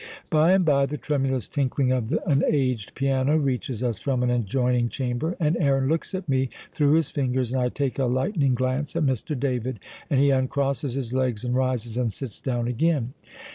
By and by the tremulous tinkling of an aged piano reaches us from an adjoining chamber, and Aaron looks at me through his fingers, and I take a lightning glance at Mr. David, and he uncrosses his legs and rises, and sits down again.